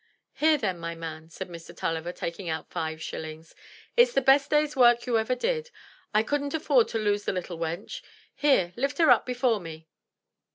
"Here, then, my man," said Mr. TuUiver, taking out five shillings. "It's the best day's work you ever did. I couldn't afford to lose the little wench; here lift her up before me."